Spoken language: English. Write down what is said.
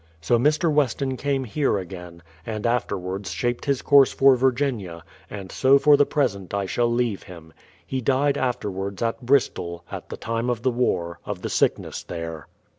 So Mr. Weston came here again, and afterwards shaped his course for Virginia, and so for the present I shall leave him. He died afterwards at Bristol, at the time of the war, of the sickness there.